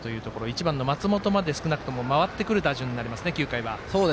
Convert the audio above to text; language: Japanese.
１番の松本まで少なくとも回ってくる打順になりますね。